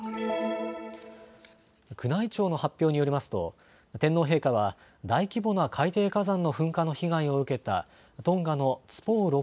宮内庁の発表によりますと天皇陛下は大規模な海底火山の噴火の被害を受けたトンガのツポウ